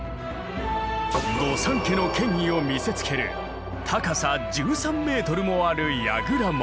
御三家の権威を見せつける高さ１３ｍもある櫓門。